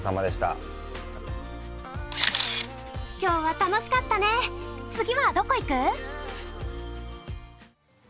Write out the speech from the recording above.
今日は楽しかったね、次はどこ行く？